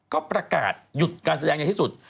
ก็ประกาศหยุดการแสดงในที่สุด